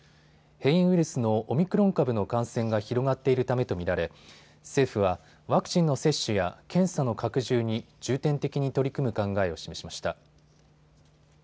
変異ウイルスのオミクロン株の感染が広がっているためと見られ政府はワクチンの接種や検査の拡充に重点的に取り組む考えを示しました。